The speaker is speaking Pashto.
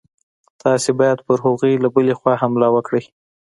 تاسي باید پر هغوی له بلې خوا حمله وکړئ.